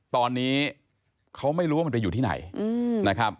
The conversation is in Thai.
ตอนนี้เขาไม่รู้ว่ามันไปอยู่ที่ไหนนะครับ